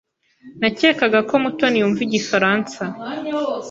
Nakekaga ko Mutoni yumva Igifaransa.